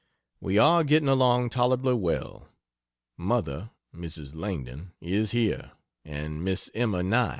We are getting along tolerably well. Mother [Mrs. Langdon] is here, and Miss Emma Nye.